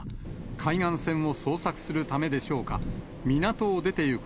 海岸線を捜索するためでしょうか、港を出ていく